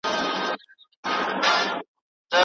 که وروستۍ مسوده هم وکتل سي د شاګرد علمي واک به کم سي.